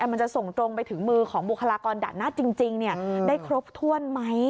มันจะส่งตรงไปถึงมือของบุคลากรด่านหน้าจริงได้ครบถ้วนไหม